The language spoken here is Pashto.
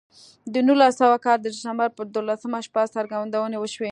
د نولس سوه کال د ډسمبر پر دولسمه شپه څرګندونې وشوې